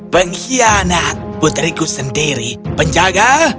pengkhianat putriku sendiri penjaga